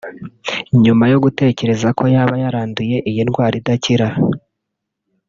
nyuma yo gutekereza ko yaba yaranduye iyi ndwara idakira